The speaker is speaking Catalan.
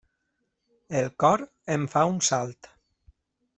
El cor em fa un salt.